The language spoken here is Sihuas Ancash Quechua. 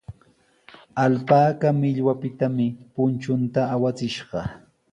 Alpaka millwapitami punchunta awachishqa.